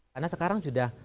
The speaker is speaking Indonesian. karena sekarang sudah